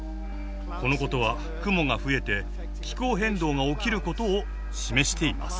このことは雲が増えて気候変動が起きることを示しています。